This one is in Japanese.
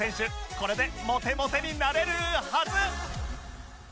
これでモテモテになれるはず！